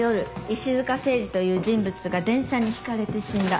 石塚清司という人物が電車にひかれて死んだ。